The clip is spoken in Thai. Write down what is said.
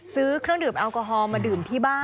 ซื้อเครื่องดื่มแอลกอฮอลมาดื่มที่บ้าน